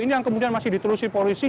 ini yang kemudian masih ditelusuri polisi